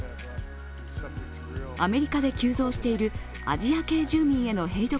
アメリカで急増しているアジア系移民へのヘイト